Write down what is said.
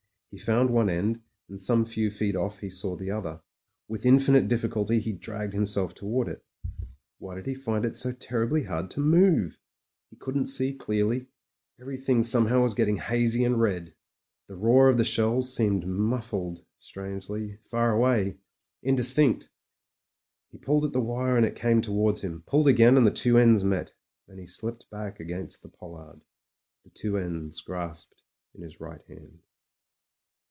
He found one end, and some few feet off he saw the other. With infinite difficulty he dragged himself towards it. Why did he find it so y2 MEN, WOMEN AND GUNS terribly hard to move? He couldn't see dearly; everything somehow was getting hazy and red. The roar of the shells seemed muffled strangely — far away, indistinct. He pulled at the wire, and it came to wards him ; pulled again, and the two ends met. Then he slipped back against the pollard, the two ends grasped in his right hand.